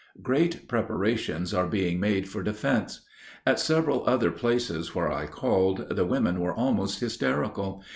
Great preparations are being made for defense. At several other places where I called the women were almost hysterical.